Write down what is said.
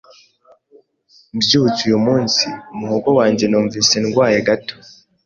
Mbyutse uyu munsi umuhogo wanjye numvise ndwaye gato.